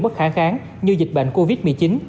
bất khả kháng như dịch bệnh covid một mươi chín